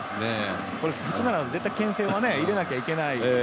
これ、普通なら絶対けん制は入れなきゃいけない。